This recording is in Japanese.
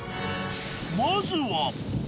まずは。